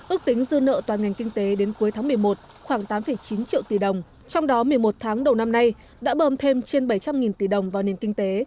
ước tính dư nợ toàn ngành kinh tế đến cuối tháng một mươi một khoảng tám chín triệu tỷ đồng trong đó một mươi một tháng đầu năm nay đã bơm thêm trên bảy trăm linh tỷ đồng vào nền kinh tế